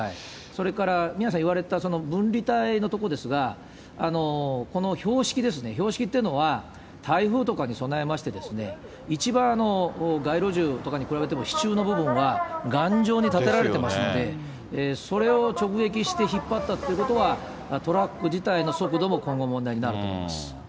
それから宮根さん言われた、分離帯の所ですが、この標識ですね、標識っていうのは、台風とかに備えましてですね、一番街路樹とかに比べても、支柱の部分は頑丈に立てられていますので、それを直撃して引っ張ったっていうことは、トラック自体の速度も今後、問題になると思います。